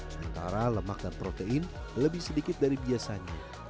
sementara lemak dan protein lebih sedikit dari biasanya